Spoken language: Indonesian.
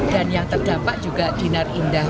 dan yang terdampak juga di narinda